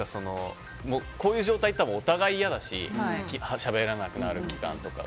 こういう状態ってお互い嫌だししゃべらなくなる期間とか。